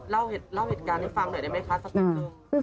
เล่าเหตุการณ์ให้ฟังหน่อยได้ไหมคะสักนิดนึง